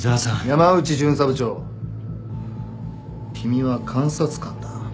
山内巡査部長君は監察官だ。